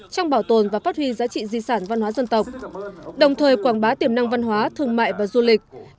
trong bảo tồn và phát huy giá trị di sản văn hóa dân tộc đồng thời quảng bá tiềm năng văn hóa thương mại và du lịch